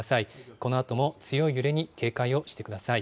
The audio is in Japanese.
このあとも強い揺れに警戒をしてください。